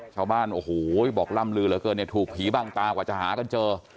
ชาวบ้านโอ้โหบอกล่ำลือเหลือเกินเนี่ยถูกผีบางตากว่าจะหากันเจอ